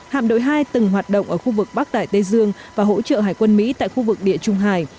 hạm đội hai từng hoạt động ở khu vực bắc đại tây dương và hỗ trợ hải quân mỹ tại khu vực địa trung hải